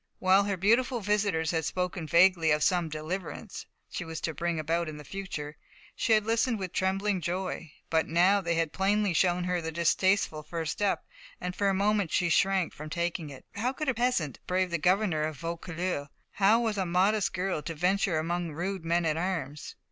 While her beautiful visitors had spoken vaguely of some "deliverance" she was to bring about in the future, she had listened with trembling joy. But now they had plainly shown her the distasteful first step, and for a moment she shrank from taking it. How could a peasant brave the governor of Vaucouleurs? How was a modest girl to venture among rude men at arms?